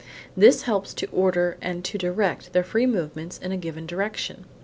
This helps to order and to direct their free movements in a given direction.